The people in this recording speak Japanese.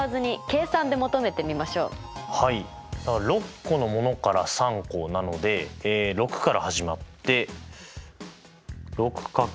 ６個のものから３個なので６から始まって。